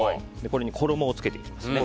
これに衣をつけていきますね。